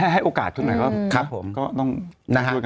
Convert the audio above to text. ให้โอกาสขึ้นหน่อยก็ต้องช่วยกัน